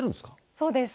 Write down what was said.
そうです。